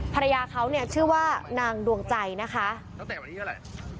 ภรรยาเขาเนี่ยชื่อว่านางดวงใจนะคะตั้งแต่วันที่เท่าไหร่